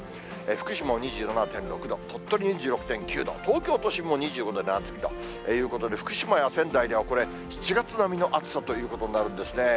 福島も２７．６度、鳥取２６．９度、東京都心も２５度で暑いということで、福島や仙台ではこれ、７月並みの暑さということになるんですね。